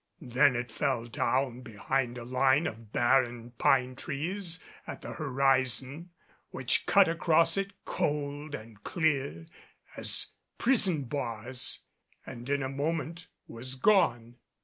Then it fell down behind a line of barren pine trees at the horizon, which cut across it cold and clear as prison bars, and in a moment was gone.